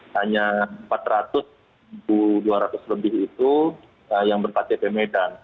hanya empat ratus dua ratus lebih itu yang berpacat di medan